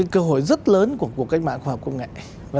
cơ hội rất lớn của cuộc cách mạng khoa học công nghệ